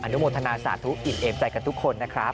นุโมทนาสาธุอิ่มเอมใจกับทุกคนนะครับ